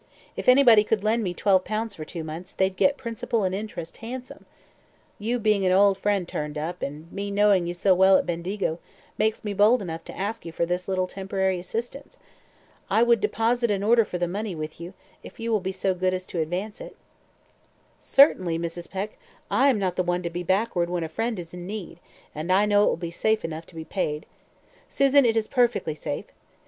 If anybody could lend me twelve pounds for two months, they'd get principal and interest handsome. You being an old friend turned up, and me knowing you so well at Bendigo, makes me bold enough to ask you for this little temporary assistance. I would deposit an order for the money with you if you will be so good as to advance it." "Certainly, Mrs. Peck, I am not the one to be backward when a friend is in need, and I know it will be safe enough to be paid. Susan, it is perfectly safe.